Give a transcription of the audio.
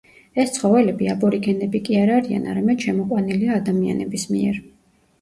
ეს ცხოველები აბორიგენები კი არ არიან, არამედ შემოყვანილია ადამიანების მიერ.